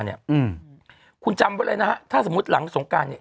อืมคุณจำไว้เลยนะฮะถ้าสมมุติหลังสงการเนี่ย